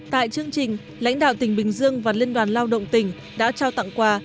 tại chương trình lãnh đạo tỉnh bình dương và liên đoàn lao động tỉnh đã trao tặng quà